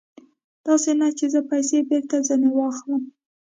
داسې نه چې زه پیسې بېرته ځنې واخلم.